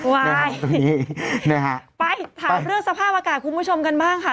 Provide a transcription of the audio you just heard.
วายนะครับตรงนี้นะฮะไปไปถามเรื่องสภาพอากาศคุณผู้ชมกันบ้างค่ะ